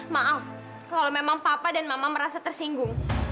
maaf kalau memang papa dan mama merasa tersinggung